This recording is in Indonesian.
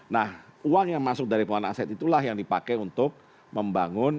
nah uang yang masuk dari pengelolaan aset itulah yang dipakai untuk membangun